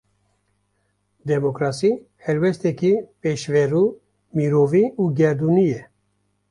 Demokrasî, helwesteke pêşverû, mirovî û gerdûnî ye